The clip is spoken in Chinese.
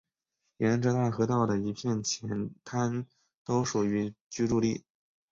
沿着大河道的一片浅滩都属于居住地。